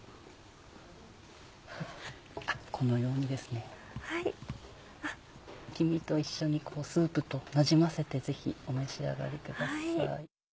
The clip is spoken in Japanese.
このようにですね黄身と一緒にスープとなじませてぜひお召し上がりください。